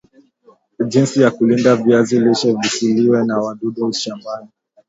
jinsi ya kulinda viazi lishe visiliwe na wadudu shambani